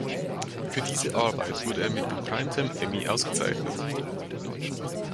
Für diese Arbeit wurde er mit dem Primetime Emmy ausgezeichnet.